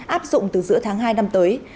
áp dụng từ giữa tháng hai năm tới